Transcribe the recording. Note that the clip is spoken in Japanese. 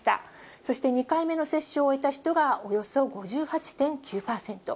そして２回目の接種を終えた人がおよそ５８．９％。